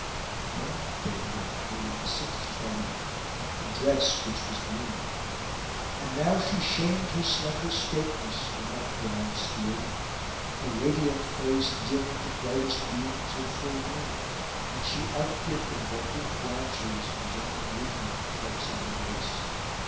Then they adorned her with the sixth toilette, a dress which was green. And now she shamed in her slender straightness the nut brown spear; her radiant face dimmed the brightest beams of full moon and she outdid the bending branches in gentle movement and flexile grace.